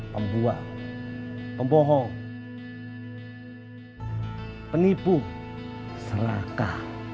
pembuang pembohong penipu seraka